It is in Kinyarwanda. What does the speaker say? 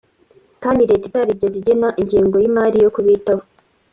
kandi leta itarigeze igena ingengo y’imari yo kubitaho